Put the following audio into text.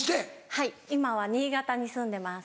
はい今は新潟に住んでます。